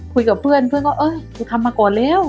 คุยกับเพื่อนเพื่อนก็เออกูทำมาก่อนแล้ว